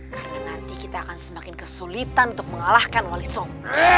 karena nanti kita akan semakin kesulitan untuk mengalahkan wali som